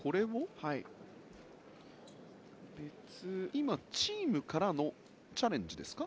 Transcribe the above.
今、チームからのチャレンジですか？